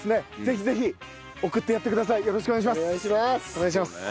お願いします。